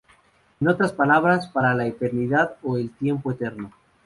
En otras palabras para la eternidad o el tiempo eterno.